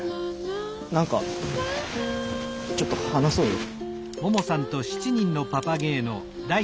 何かちょっと話そうよ。